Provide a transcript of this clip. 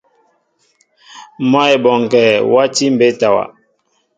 Mwă Eboŋgue wati mbétawa.